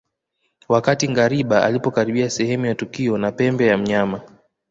Wakati ngariba alipokaribia sehemu ya tukio na pembe ya mnyama